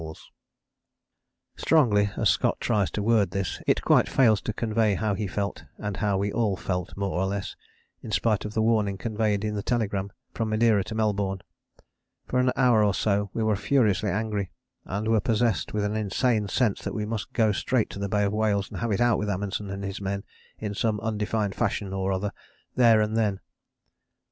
[Illustration: HUT POINT E. A. Wilson, del.] Strongly as Scott tries to word this, it quite fails to convey how he felt, and how we all felt more or less, in spite of the warning conveyed in the telegram from Madeira to Melbourne. For an hour or so we were furiously angry, and were possessed with an insane sense that we must go straight to the Bay of Whales and have it out with Amundsen and his men in some undefined fashion or other there and then.